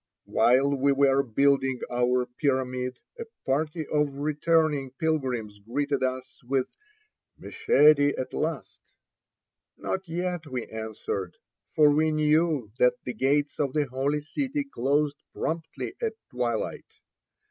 While we were building our pyramid a party of returning pilgrims greeted us with "Meshedi at last." "Not yet," we answered, for we knew that the gates of the Holy City closed promptly at twilight.